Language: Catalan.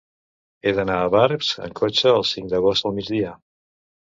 He d'anar a Barx amb cotxe el cinc d'agost al migdia.